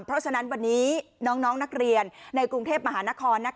เพราะฉะนั้นวันนี้น้องนักเรียนในกรุงเทพมหานคร